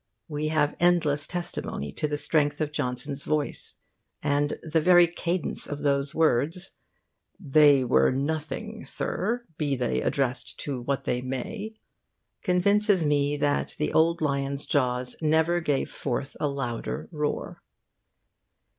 We have endless testimony to the strength of Johnson's voice; and the very cadence of those words, 'They were nothing, Sir, be they addressed to what they may,' convinces me that the old lion's jaws never gave forth a louder roar.